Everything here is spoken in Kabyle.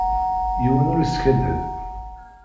Yiwen ur iskadeb.